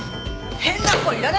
変な声いらない。